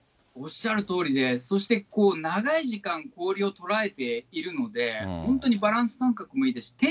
おっしゃるとおりで、そして長い時間、氷を捉えているので、本当にバランス感覚もいいです。